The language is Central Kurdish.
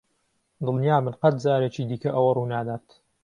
دڵنیابن قەت جارێکی دیکە ئەوە ڕوونادات.